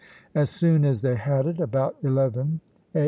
As soon as they had it, about eleven A.